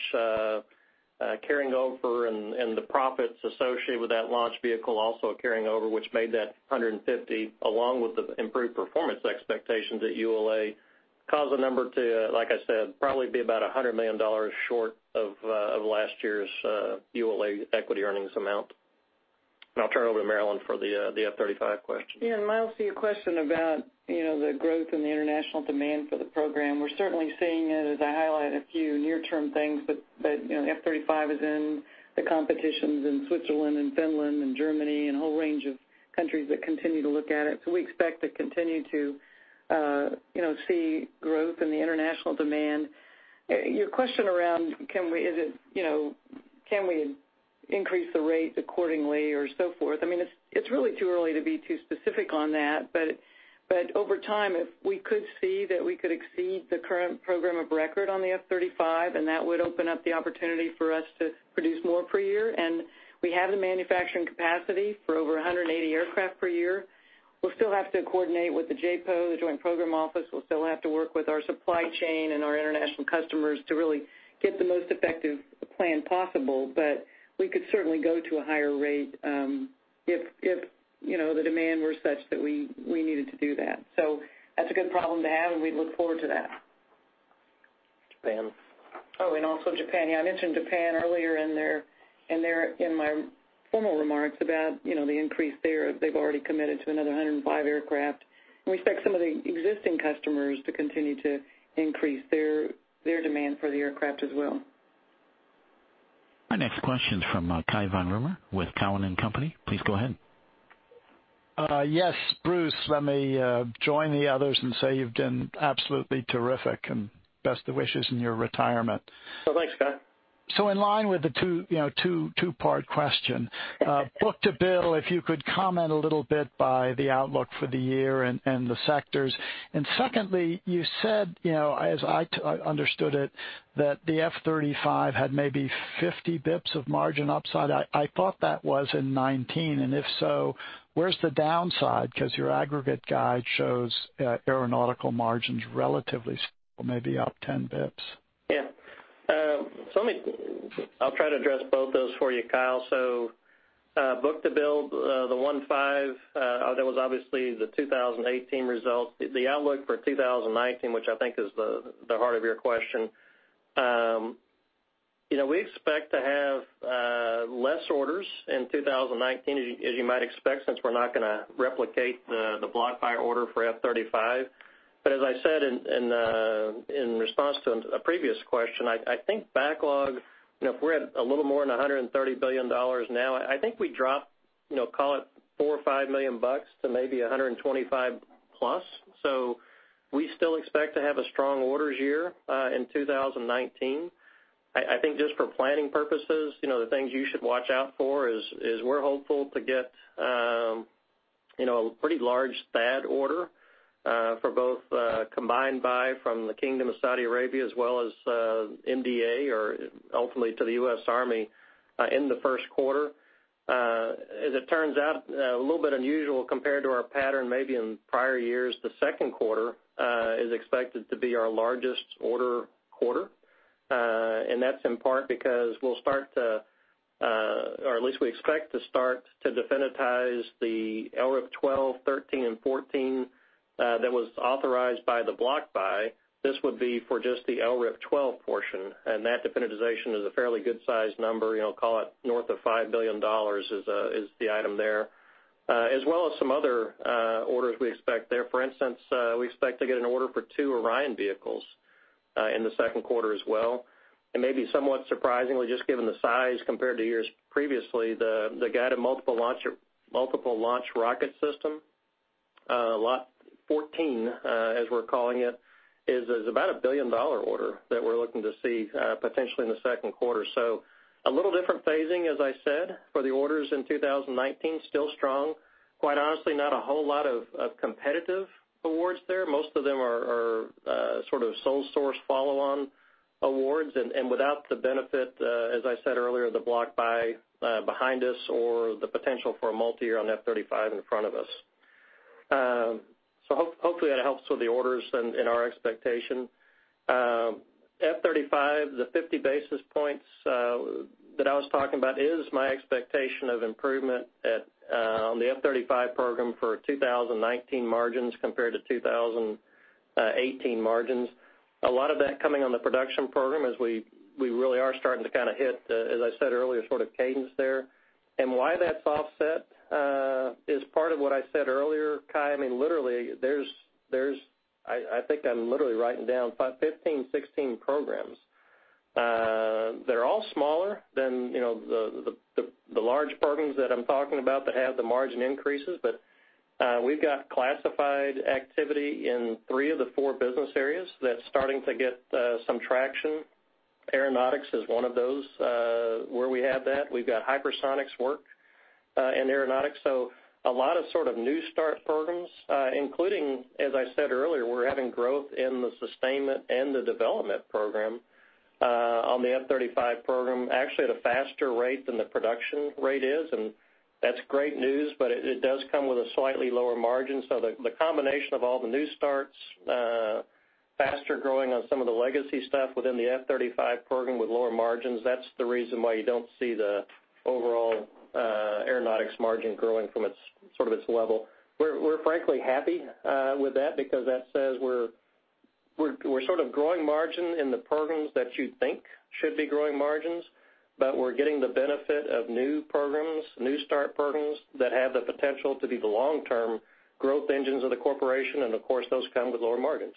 carrying over and the profits associated with that launch vehicle also carrying over, which made that $150 along with the improved performance expectations at ULA cause the number to, like I said, probably be about $100 million short of last year's ULA equity earnings amount. I'll turn it over to Marillyn Hewson for the F-35 question. Yeah, Myles Walton, to your question about the growth in the international demand for the program, we're certainly seeing it as I highlight a few near-term things, but F-35 is in the competitions in Switzerland and Finland and Germany and a whole range of countries that continue to look at it. We expect to continue to see growth in the international demand. Your question around can we increase the rate accordingly or so forth, it's really too early to be too specific on that, but over time, if we could see that we could exceed the current program of record on the F-35, that would open up the opportunity for us to produce more per year, and we have the manufacturing capacity for over 180 aircraft per year. We'll still have to coordinate with the JPO, the Joint Program Office. We'll still have to work with our supply chain and our international customers to really get the most effective plan possible. We could certainly go to a higher rate, if the demand were such that we needed to do that. That's a good problem to have, and we look forward to that. Japan. Oh, also Japan. Yeah, I mentioned Japan earlier in my formal remarks about the increase there. They've already committed to another 105 aircraft. We expect some of the existing customers to continue to increase their demand for the aircraft as well. Our next question is from Cai von Rumohr with Cowen and Company. Please go ahead. Yes, Bruce Tanner, let me join the others and say you've been absolutely terrific, best of wishes in your retirement. Well, thanks, Cai von Rumohr. In line with the two-part question. Book-to-bill, if you could comment a little bit by the outlook for the year and the sectors. Secondly, you said, as I understood it, that the F-35 had maybe 50 basis points of margin upside. I thought that was in 2019, and if so, where's the downside? Your aggregate guide shows Aeronautics margins relatively stable, maybe up 10 basis points. Yeah. Let me, I'll try to address both those for you, Cai von Rumohr. Book-to-Bill, the 1.5, that was obviously the 2018 result. The outlook for 2019, which I think is the heart of your question. We expect to have less orders in 2019, as you might expect, since we're not going to replicate the block buy order for F-35. As I said in response to a previous question, I think backlog, if we're at a little more than $130 billion now, I think we drop, call it $4 billion or $5 million to maybe $125 billion plus. We still expect to have a strong orders year, in 2019. I think just for planning purposes, the things you should watch out for is we're hopeful to get a pretty large THAAD order, for both a combined buy from the Kingdom of Saudi Arabia, as well as MDA or ultimately to the U.S. Army, in the first quarter. As it turns out, a little bit unusual compared to our pattern, maybe in prior years, the second quarter is expected to be our largest order quarter. That's in part because we'll start to, or at least we expect to start to definitize the LRIP 12, 13 and 14, that was authorized by the block buy. This would be for just the LRIP 12 portion, and that definitization is a fairly good size number, call it north of $5 billion is the item there, as well as some other orders we expect there. For instance, we expect to get an order for two Orion vehicles in the second quarter as well. Maybe somewhat surprisingly, just given the size compared to years previously, the Guided Multiple Launch Rocket System, lot 14, as we're calling it, is about a billion-dollar order that we're looking to see potentially in the second quarter. A little different phasing, as I said, for the orders in 2019, still strong. Quite honestly, not a whole lot of competitive awards there. Most of them are sort of sole source follow-on awards, and without the benefit, as I said earlier, the block buy behind us or the potential for a multi-year on F-35 in front of us. Hopefully that helps with the orders and our expectation. F-35, the 50 basis points that I was talking about is my expectation of improvement on the F-35 program for 2019 margins compared to 2018 margins. A lot of that coming on the production program as we really are starting to kind of hit, as I said earlier, sort of cadence there. Why that's offset is part of what I said earlier, Cai von Rumohr. I think I'm literally writing down 15, 16 programs. They're all smaller than the large programs that I'm talking about that have the margin increases. We've got classified activity in three of the four business areas that's starting to get some traction. Aeronautics is one of those, where we have that. We've got hypersonics work in aeronautics. A lot of sort of new start programs, including, as I said earlier, we're having growth in the sustainment and the development program on the F-35 program, actually at a faster rate than the production rate is, and that's great news, but it does come with a slightly lower margin. The combination of all the new starts, faster growing on some of the legacy stuff within the F-35 program with lower margins, that's the reason why you don't see the overall Aeronautics margin growing from sort of its level. We're frankly happy with that because that says We're sort of growing margin in the programs that you think should be growing margins, but we're getting the benefit of new programs, new start programs, that have the potential to be the long-term growth engines of the corporation, and of course, those come with lower margins.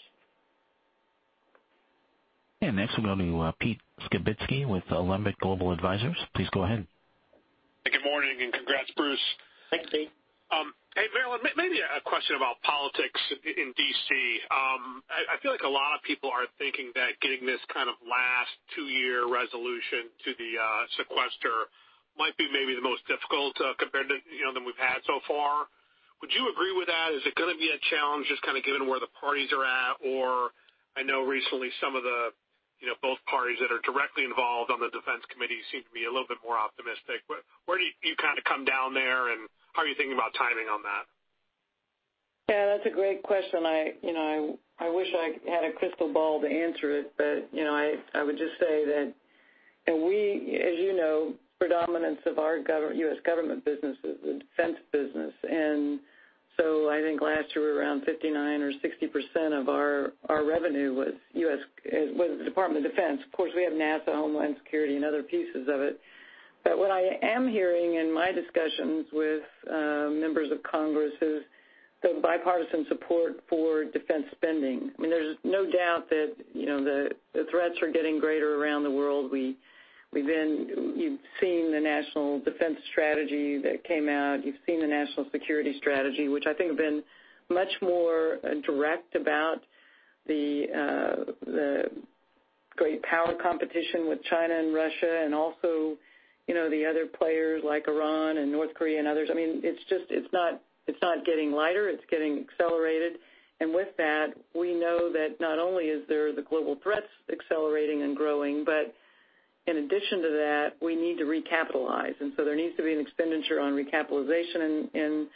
Next we'll go to Pete Skibitski with Alembic Global Advisors. Please go ahead. Good morning, congrats, Bruce Tanner. Thanks, Pete Skibitski. Hey, Marillyn Hewson, maybe a question about politics in D.C. I feel like a lot of people are thinking that getting this kind of last two-year resolution to the sequester might be maybe the most difficult compared to, you know, than we've had so far. Would you agree with that? Is it going to be a challenge, just kind of given where the parties are at? I know recently some of both parties that are directly involved on the defense committee seem to be a little bit more optimistic. Where do you kind of come down there, and how are you thinking about timing on that? Yeah, that's a great question. I wish I had a crystal ball to answer it, I would just say that we, as you know, predominance of our U.S. government business is the defense business. I think last year around 59% or 60% of our revenue was Department of Defense. Of course, we have NASA, Homeland Security, and other pieces of it. What I am hearing in my discussions with members of Congress is the bipartisan support for defense spending. I mean, there's no doubt that the threats are getting greater around the world. You've seen the National Defense Strategy that came out. You've seen the National Security Strategy, which I think have been much more direct about the great power competition with China and Russia and also the other players like Iran and North Korea and others. I mean, it's not getting lighter. It's getting accelerated. With that, we know that not only is there the global threats accelerating and growing, but in addition to that, we need to recapitalize. There needs to be an expenditure on recapitalization in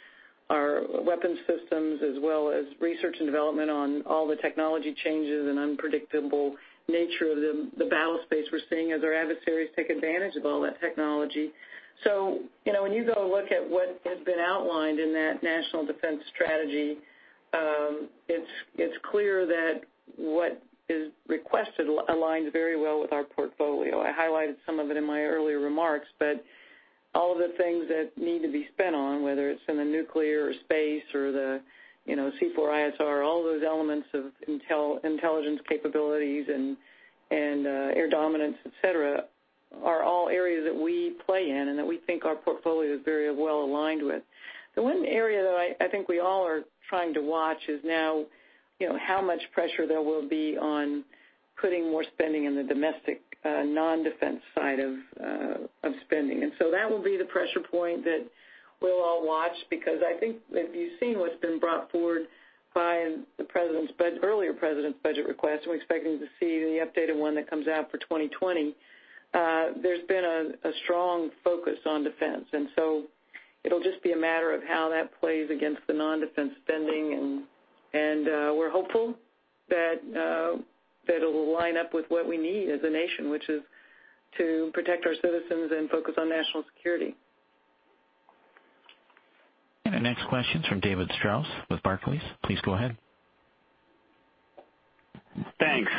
our weapons systems, as well as research and development on all the technology changes and unpredictable nature of the battle space we're seeing as our adversaries take advantage of all that technology. When you go look at what has been outlined in that National Defense Strategy, it's clear that what is requested aligns very well with our portfolio. I highlighted some of it in my earlier remarks, all of the things that need to be spent on, whether it's in the nuclear or Space or the C4ISR, all those elements of intelligence capabilities and air dominance, et cetera, are all areas that we play in and that we think our portfolio is very well aligned with. The one area that I think we all are trying to watch is now, how much pressure there will be on putting more spending in the domestic non-defense side of spending. That will be the pressure point that we'll all watch, because I think if you've seen what's been brought forward by the earlier president's budget request, and we're expecting to see the updated one that comes out for 2020, there's been a strong focus on defense. It'll just be a matter of how that plays against the non-defense spending, and we're hopeful that it'll line up with what we need as a nation, which is to protect our citizens and focus on national security. The next question's from David Strauss with Barclays. Please go ahead. Thanks.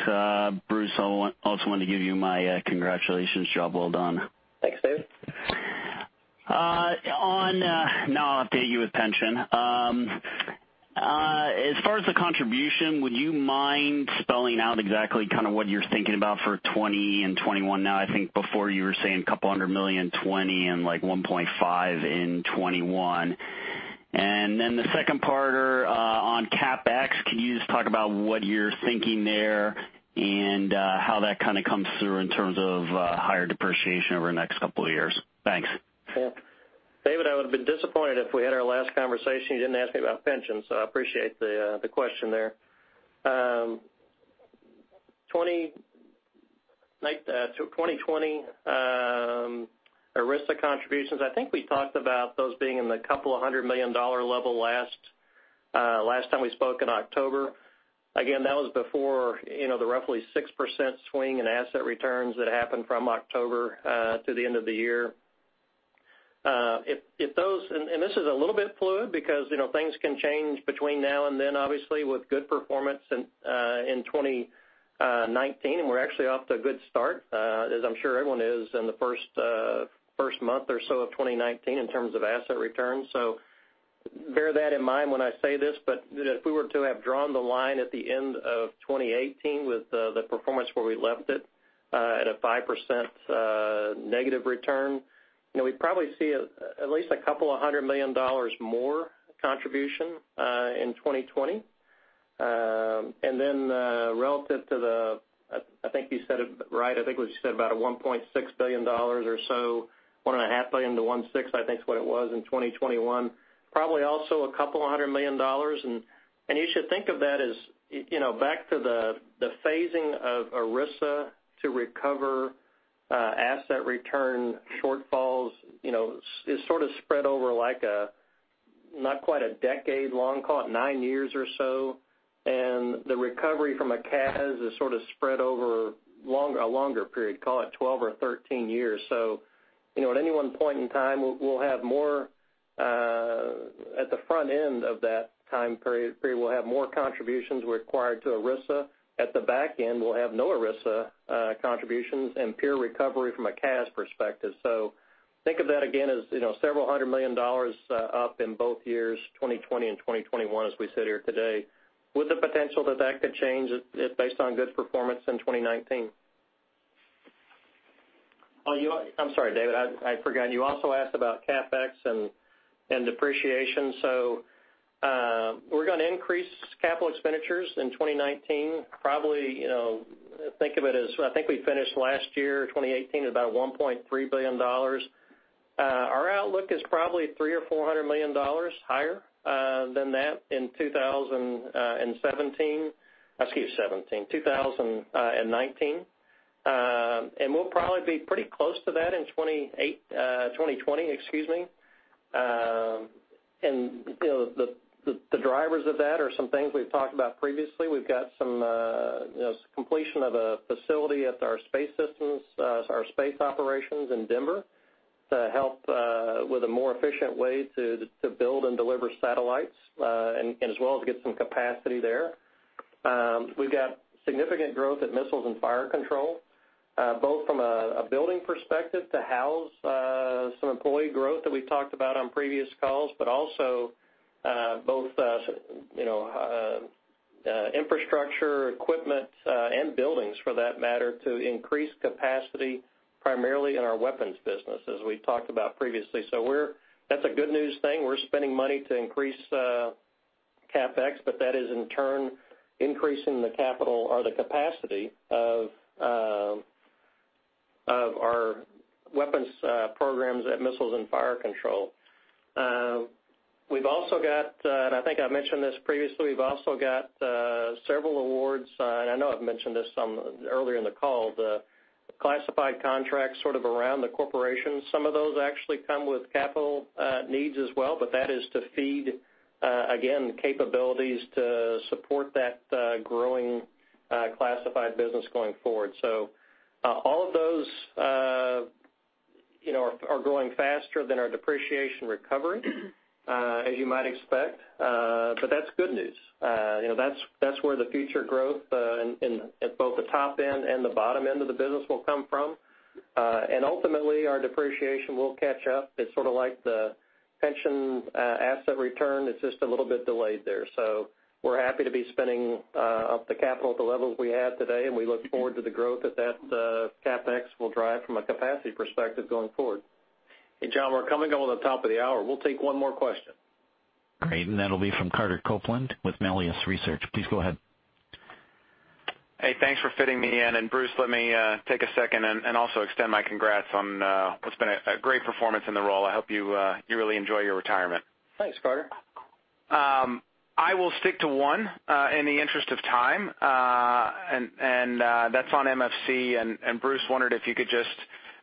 Bruce Tanner, I also wanted to give you my congratulations. Job well done. Thanks, David Strauss. Now I'll update you with pension. As far as the contribution, would you mind spelling out exactly kind of what you're thinking about for 2020 and 2021 now? I think before you were saying $200 million in 2020, and, like, $1.5 billion in 2021. The second part on CapEx, can you just talk about what you're thinking there and how that kind of comes through in terms of higher depreciation over the next couple of years? Thanks. Sure. David Strauss, I would have been disappointed if we had our last conversation and you didn't ask me about pensions, so I appreciate the question there. 2020 ERISA contributions, I think we talked about those being in the $200 million level last time we spoke in October. That was before the roughly 6% swing in asset returns that happened from October to the end of the year. This is a little bit fluid because things can change between now and then, obviously, with good performance in 2019, and we're actually off to a good start, as I'm sure everyone is in the first month or so of 2019 in terms of asset returns. Bear that in mind when I say this, if we were to have drawn the line at the end of 2018 with the performance where we left it at a 5% negative return, we'd probably see at least a couple of hundred million dollars more contribution in 2020. Relative to the, I think you said it right. I think we said about $1.6 billion or so, $1.5 billion to $1.6 billion, I think is what it was in 2021. Probably also a couple of hundred million dollars. You should think of that as back to the phasing of ERISA to recover asset return shortfalls is sort of spread over, like, not quite a decade long, call it nine years or so. The recovery from a CAS is sort of spread over a longer period, call it 12 or 13 years. At any one point in time, at the front end of that time period, we'll have more contributions required to ERISA. At the back end, we'll have no ERISA contributions and pure recovery from a cash perspective. Think of that again as several hundred million dollars up in both years, 2020 and 2021, as we sit here today, with the potential that that could change based on good performance in 2019. I'm sorry, David Strauss, I forgot, you also asked about CapEx and depreciation. We're going to increase capital expenditures in 2019. Probably, think of it as, I think we finished last year, 2018, at about $1.3 billion. Our outlook is probably $300 or $400 million higher than that in 2019. We'll probably be pretty close to that in 2020, excuse me. The drivers of that are some things we've talked about previously. We've got some completion of a facility at our space systems, our Space operations in Denver to help with a more efficient way to build and deliver satellites, as well as get some capacity there. We've got significant growth at Missiles and Fire Control, both from a building perspective to house some employee growth that we've talked about on previous calls, but also both infrastructure, equipment, and buildings for that matter, to increase capacity primarily in our weapons business, as we've talked about previously. That's a good news thing. We're spending money to increase CapEx, but that is in turn increasing the capital or the capacity of our weapons programs at Missiles and Fire Control. We've also got, and I think I've mentioned this previously, we've also got several awards, and I know I've mentioned this earlier in the call, the classified contracts sort of around the corporation. Some of those actually come with capital needs as well, that is to feed, again, capabilities to support that growing classified business going forward. All of those are growing faster than our depreciation recovery, as you might expect. That's good news. That's where the future growth in both the top end and the bottom end of the business will come from. Ultimately, our depreciation will catch up. It's sort of like the pension asset return. It's just a little bit delayed there. We're happy to be spending up the capital at the levels we have today, and we look forward to the growth that that CapEx will drive from a capacity perspective going forward. Hey, John, we're coming up on the top of the hour. We'll take one more question. Great, that'll be from Carter Copeland with Melius Research. Please go ahead. Hey, thanks for fitting me in. Bruce Tanner, let me take a second and also extend my congrats on what's been a great performance in the role. I hope you really enjoy your retirement. Thanks, Carter Copeland. I will stick to one in the interest of time, that's on MFC. Bruce Tanner, wondered if you could just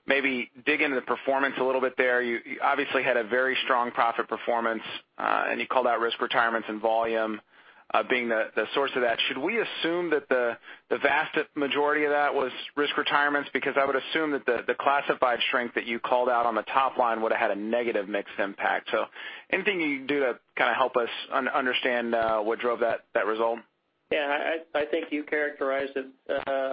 maybe dig into the performance a little bit there. You obviously had a very strong profit performance, and you called out risk retirements and volume being the source of that. Should we assume that the vast majority of that was risk retirements? Because I would assume that the classified strength that you called out on the top line would've had a negative mix impact. Anything you can do to kind of help us understand what drove that result? I think you characterized it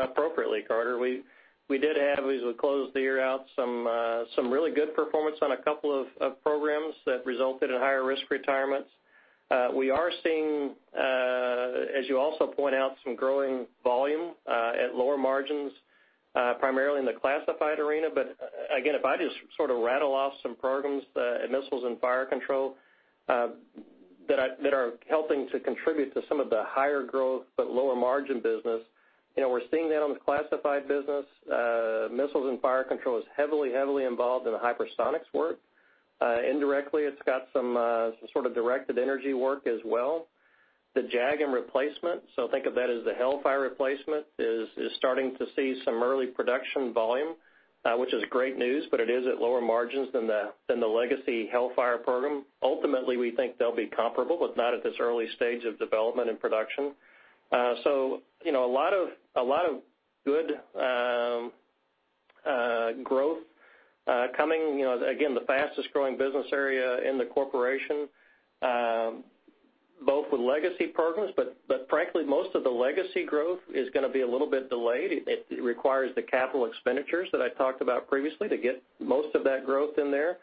appropriately, Carter Copeland. We did have, as we closed the year out, some really good performance on a couple of programs that resulted in higher risk retirements. We are seeing, as you also point out, some growing volume at lower margins, primarily in the classified arena. Again, if I just sort of rattle off some programs at Missiles and Fire Control that are helping to contribute to some of the higher growth, but lower margin business, we're seeing that on the classified business. Missiles and Fire Control is heavily involved in the hypersonics work. Indirectly, it's got some sort of directed energy work as well. The JAGM replacement, so think of that as the HELLFIRE replacement, is starting to see some early production volume, which is great news, but it is at lower margins than the legacy HELLFIRE program. Ultimately, we think they'll be comparable, but not at this early stage of development and production. A lot of good growth coming. Again, the fastest growing business area in the corporation, both with legacy programs, but frankly, most of the legacy growth is going to be a little bit delayed. It requires the capital expenditures that I talked about previously to get most of that growth in there.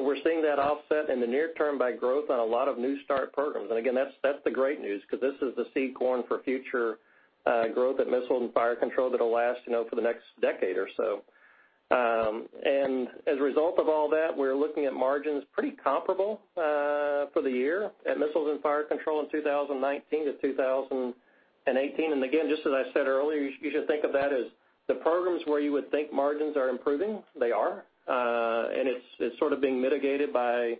We're seeing that offset in the near term by growth on a lot of new start programs. Again, that's the great news, because this is the seed corn for future growth at Missiles and Fire Control that'll last for the next decade or so. As a result of all that, we're looking at margins pretty comparable for the year at Missiles and Fire Control in 2019-2018. Again, just as I said earlier, you should think of that as the programs where you would think margins are improving. They are. It's sort of being mitigated by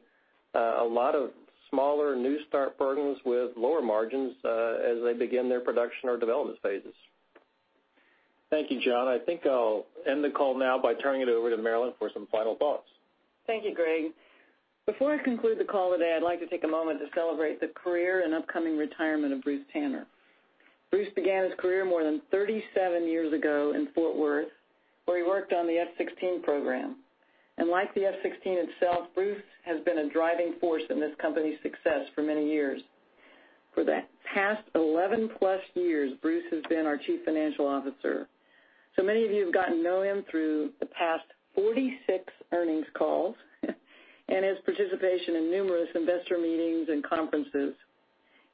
a lot of smaller new start programs with lower margins as they begin their production or development phases. Thank you, John. I think I'll end the call now by turning it over to Marillyn Hewson for some final thoughts. Thank you, Greg Gardner. Before I conclude the call today, I'd like to take a moment to celebrate the career and upcoming retirement of Bruce Tanner. Bruce Tanner began his career more than 37 years ago in Fort Worth, where he worked on the F-16 program. Like the F-16 itself, Bruce has been a driving force in this company's success for many years. For the past 11-plus years, Bruce has been our Chief Financial Officer. Many of you have gotten to know him through the past 46 earnings calls and his participation in numerous investor meetings and conferences,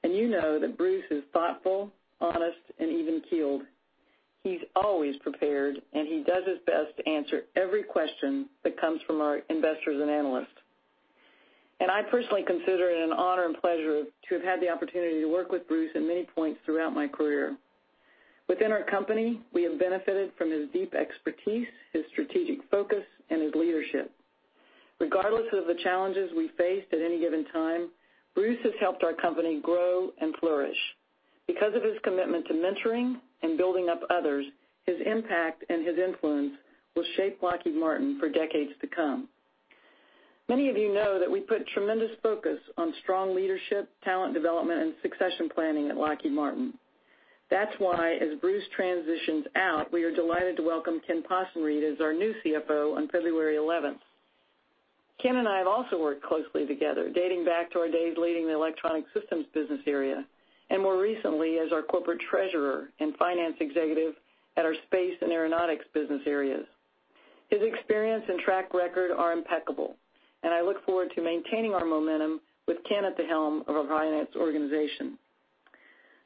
and you know that Bruce Tanner is thoughtful, honest, and even-keeled. He's always prepared, and he does his best to answer every question that comes from our investors and analysts. I personally consider it an honor and pleasure to have had the opportunity to work with Bruce Tanner at many points throughout my career. Within our company, we have benefited from his deep expertise, his strategic focus, and his leadership. Regardless of the challenges we faced at any given time, Bruce Tanner has helped our company grow and flourish. Because of his commitment to mentoring and building up others, his impact and his influence will shape Lockheed Martin for decades to come. Many of you know that we put tremendous focus on strong leadership, talent development, and succession planning at Lockheed Martin. That's why, as Bruce Tanner transitions out, we are delighted to welcome Kenneth Possenriede as our new CFO on February 11th. Kenneth Possenriede and I have also worked closely together, dating back to our days leading the electronic systems business area, and more recently as our corporate treasurer and finance executive at our Space and Aeronautics business areas. His experience and track record are impeccable, and I look forward to maintaining our momentum with Kenneth Possenriede at the helm of our finance organization.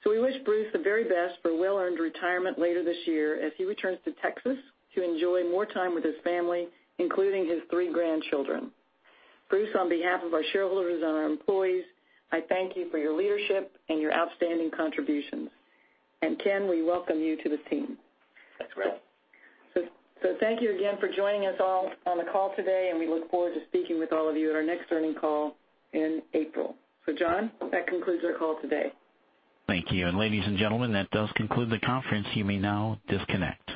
We wish Bruce Tanner the very best for a well-earned retirement later this year, as he returns to Texas to enjoy more time with his family, including his three grandchildren. Bruce Tanner, on behalf of our shareholders and our employees, I thank you for your leadership and your outstanding contributions. Kenneth Possenriede, we welcome you to the team. Thanks, Marillyn Hewson. Thank you again for joining us all on the call today, and we look forward to speaking with all of you at our next earnings call in April. John, that concludes our call today. Thank you. Ladies and gentlemen, that does conclude the conference. You may now disconnect.